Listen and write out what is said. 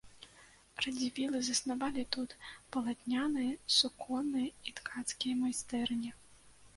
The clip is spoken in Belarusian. Радзівілы заснавалі тут палатняныя, суконныя і ткацкія майстэрні.